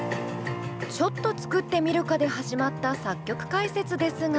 ちょっと作ってみるかで始まった作曲解説ですが。